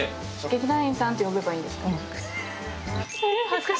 劇団員さんって呼べばいいですか？